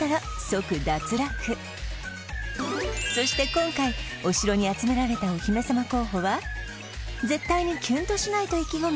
今回お城に集められたお姫様候補は絶対にきゅんとしないと意気込む